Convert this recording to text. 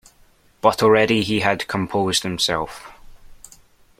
But already he had composed himself.